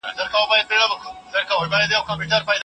د بدلون په تمه هڅې ته دوام ورکړئ.